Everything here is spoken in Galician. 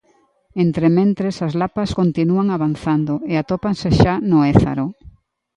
Entrementres as lapas continúan avanzando e atópanse xa no Ézaro.